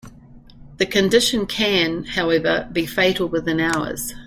The condition can, however, be fatal within hours.